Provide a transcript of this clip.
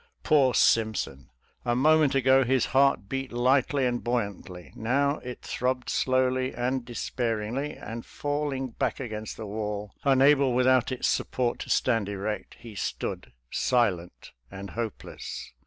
Poor Simpson ! A moment ago his heart beat lightty and buoyantly, now it throbbed slowly and despairingly, and falling back against the wall, unable without its support to stand erect, he stood silent and hopeless.